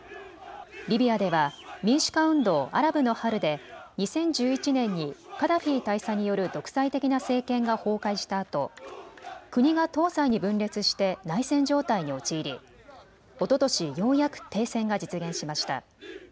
リビアでは民主化運動アラブの春で２０１１年にカダフィ大佐による独裁的な政権が崩壊したあと国が東西に分裂して内戦状態に陥りおととし、ようやく停戦が実現しました。